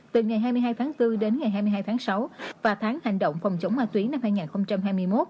từ ngày hai mươi hai tháng bốn đến ngày hai mươi hai tháng sáu và tháng hành động phòng chống ma túy năm hai nghìn hai mươi một